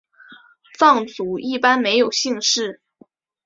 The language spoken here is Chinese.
藏族一般没有姓氏。